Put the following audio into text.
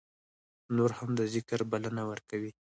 نور هم د ذکر بلنه ورکوي.